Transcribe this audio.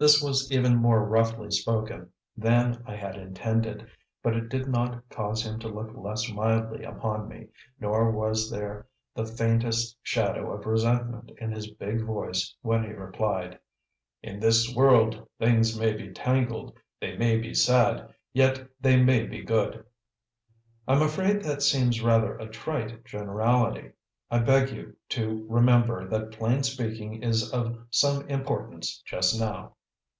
This was even more roughly spoken than I had intended, but it did not cause him to look less mildly upon me, nor was there the faintest shadow of resentment in his big voice when he replied: "In this world things may be tangled, they may be sad, yet they may be good." "I'm afraid that seems rather a trite generality. I beg you to remember that plain speaking is of some importance just now."